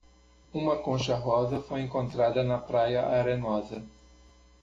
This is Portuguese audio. Uma concha rosa foi encontrada na praia arenosa.